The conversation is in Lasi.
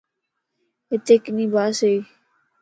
ھتي ڪِني ڀاسَ ئي.